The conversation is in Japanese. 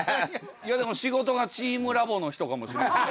いやでも仕事がチームラボの人かもしれんで。